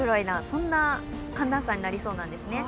そんな寒暖差になりそうなんですね。